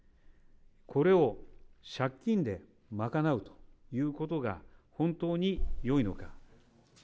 これを借金で賄うということが本当によいのか。